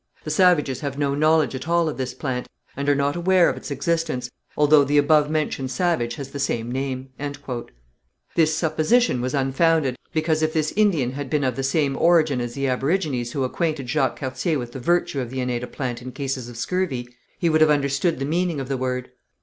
The savages have no knowledge at all of this plant, and are not aware of its existence, although the above mentioned savage has the same name." This supposition was unfounded, because if this Indian had been of the same origin as the aborigines who acquainted Jacques Cartier with the virtue of the aneda plant in cases of scurvy, he would have understood the meaning of the word.